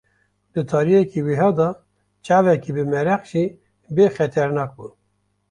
Di tariyeke wiha de çavekî bimereq jî bê xeternak bû.